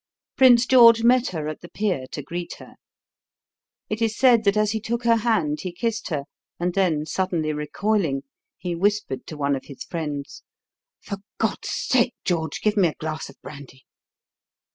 Prince George met her at the pier to greet her. It is said that as he took her hand he kissed her, and then, suddenly recoiling, he whispered to one of his friends: "For God's sake, George, give me a glass of brandy!"